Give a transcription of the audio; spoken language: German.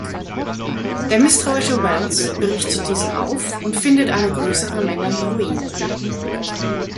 Der misstrauische Wells bricht diesen auf und findet eine größere Menge Heroin.